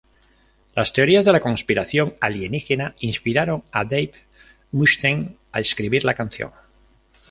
Las teorías de la conspiración alienígena inspiraron a Dave Mustaine a escribir la canción.